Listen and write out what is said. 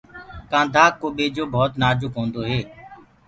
ڪآنڌآ ڪو ٻيجو ڀوت نآجُڪ هوندو هي۔